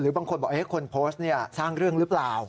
หรือบางคนว่าคนโพสต์นี่สร้างเรื่องหรือเปล่า